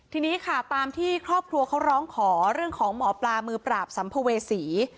ทีนี้ค่ะตามที่ครอบครัวเขาร้องขอเรื่องของหมอปลามือปราบสัมภเวษี